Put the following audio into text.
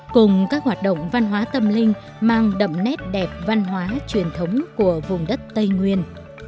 cùng các hoạt động văn hóa tâm linh mang đậm nét đẹp văn hóa truyền thống của vùng đất tây nguyên